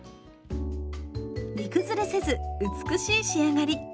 煮崩れせず美しい仕上がり。